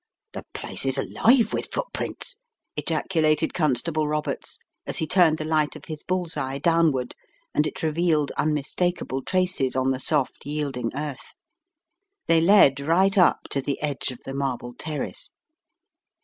"The place is alive with footprints!" ejaculated Constable Roberts, as he turned the light of his bull's eye downward and it revealed unmistakable traces on the soft, yielding earth. They led right up to the edge of the marble terrace.